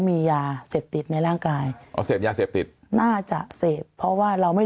มียาเสพติดในร่างกายอ๋อเสพยาเสพติดน่าจะเสพเพราะว่าเราไม่